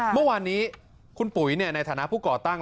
เมื่อวานนี้คุณปุ๋ยในฐานะผู้ก่อตั้ง